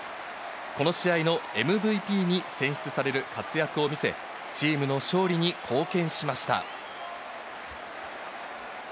この試合のＭＶＰに選出される活躍を見せ、チームの勝利に貢献しました。